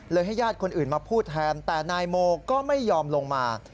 ให้ญาติคนอื่นมาพูดแทนแต่นายโมก็ไม่ยอมลงมา